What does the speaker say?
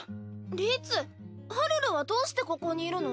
律！はるるはどうしてここにいるの？